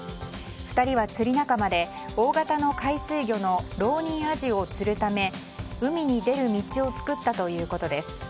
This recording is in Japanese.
２人は釣り仲間で大型の海水魚のロウニンアジを釣るため海に出る道を作ったということです。